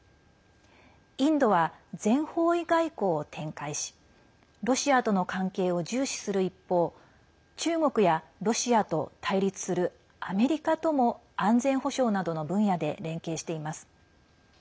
インドは全方位外交を展開しロシアとの関係を重視する一方中国やロシアと対立するアメリカとも安全保障などの分野で連携しています。